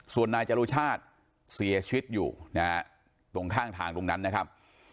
ส่วนนายจรุชาติเสียชีวิตอยู่นะฮะตรงข้างทางตรงนั้นนะครับ